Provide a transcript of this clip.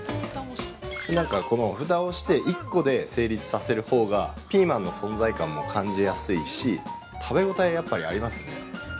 ◆このふたをして１個で成立させるほうがピーマンの存在感も感じやすいし、食べ応え、やっぱりありますね。